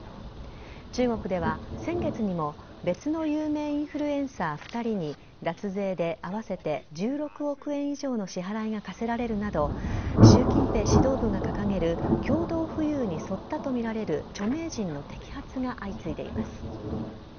中国では、先月にも別の有名インフルエンサー２人に、脱税で合わせて１６億円以上の支払いが課せられるなど、習近平指導部が掲げる共同富裕に沿ったと見られる著名人の摘発が相次いでいます。